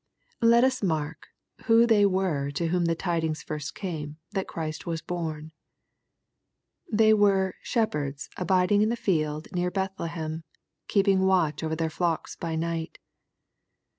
Let us mark who they were to whom the tidings first came that Christ was horn. They were " shep herds abiding in the field near Bethlehem, keeping watch over their flocks by night."